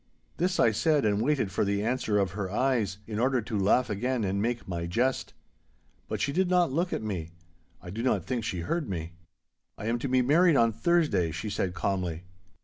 This I said and waited for the answer of her eyes, in order to laugh again and make my jest. But she did not look at me. I do not think she heard me. 'I am to be married on Thursday!' she said calmly.